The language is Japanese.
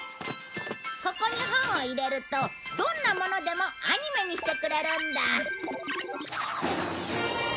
ここに本を入れるとどんなものでもアニメにしてくれるんだ。